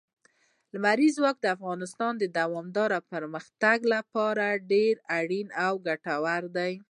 لمریز ځواک د افغانستان د دوامداره پرمختګ لپاره ډېر اړین او ګټور دی.